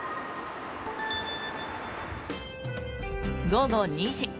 午後２時。